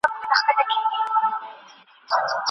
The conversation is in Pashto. په کومه دوره کي خلګو ازاد فکر کولای سو؟